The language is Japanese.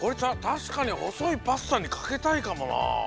たしかにほそいパスタにかけたいかもな。